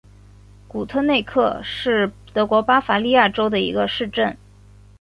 古特内克是德国巴伐利亚州的一个市镇。